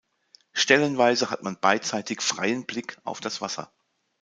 Stellenweise hat man beidseitig freien Blick auf das Wasser.